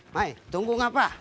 maik tunggu ngapa